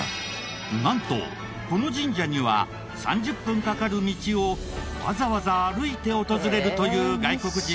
なんとこの神社には３０分かかる道をわざわざ歩いて訪れるという外国人も多かった。